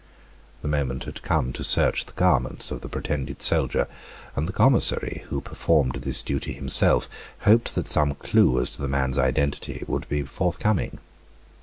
The moment had come to search the garments of the pretended soldier, and the commissary, who performed this duty himself, hoped that some clue as to the man's identity would be forthcoming.